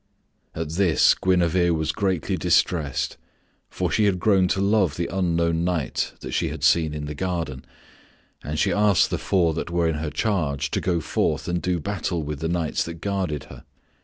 At this Guinevere was greatly distressed, for she had grown to love the unknown knight that she had seen in the garden, and she asked the four that were in her charge to go forth and do battle with the knights that guarded her.